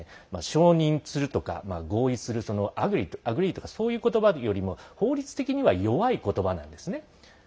承認するとか合意するアグリード、アグリーとかそういうことばよりも法律的には弱いことばなんですね。